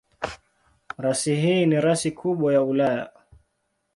Rasi hii ni rasi kubwa ya Ulaya.